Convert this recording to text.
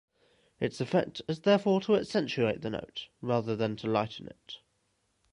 Its effect is therefore to accentuate the note rather than to lighten it.